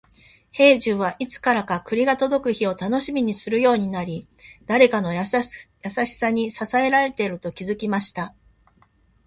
兵十は、いつからか栗が届く日を楽しみにするようになり、誰かの優しさに支えられていると気づきました。